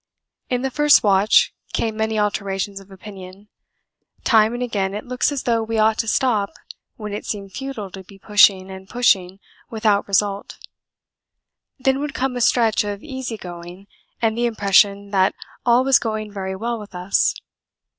In the first watch came many alterations of opinion; time and again it looks as though we ought to stop when it seemed futile to be pushing and pushing without result; then would come a stretch of easy going and the impression that all was going very well with us.